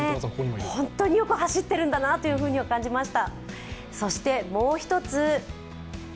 本当によく走ってるんだなと感じました。